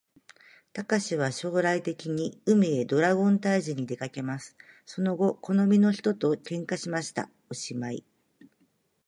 たかしは将来的に、海へドラゴン退治にでかけます。その後好みの人と喧嘩しました。おしまい